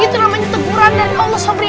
itu namanya teguran dan allah sabri